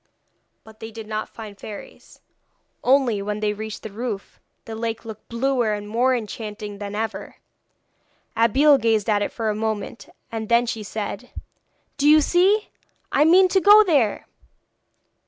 But they did not find any fairies; only, when they reached the roof, the lake looked bluer and more enchanting than ever. Abeille gazed at it for a moment, and then she said: 'Do you see? I mean to go there!'